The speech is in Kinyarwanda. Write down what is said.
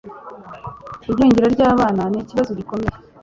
igwingira ry'abana n'ikibazo gikomeye